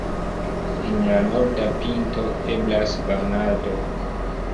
En la norda pinto eblas banado.